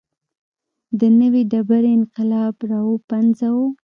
د نوې ډبرې انقلاب راوپنځاوه.